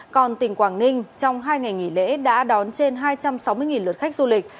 còn tỉnh quảng ninh trong hai ngày nghỉ lễ đã đón trên hai trăm sáu mươi lượt khách du lịch